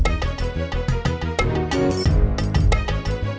itu bukan urusan saya